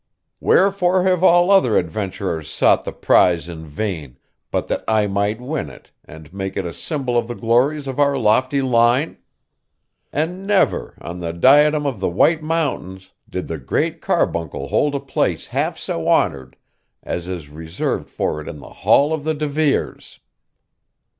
Wherefore have all other adventurers sought the prize in vain but that I might win it, and make it a symbol of the glories of our lofty line? And never, on the diadem of the White Mountains, did the Great Carbuncle hold a place half so honored as is reserved for it in the hall of the De Veres!